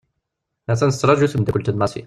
A-t-an tettraju temddakelt n Massi .